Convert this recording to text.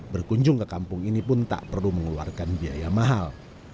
berkunjung ke kampung ini pun tak perlu mengeluarkan biaya mahal